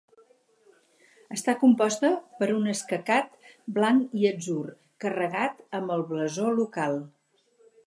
Està composta per un escacat blanc i atzur, carregat amb el blasó local.